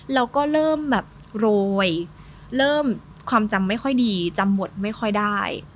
แล้วก็เริ่มแบบโรยเริ่มความจำไม่ค่อยดีจำบทไม่ค่อยได้